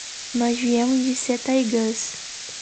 Nós viemos de Setaigües.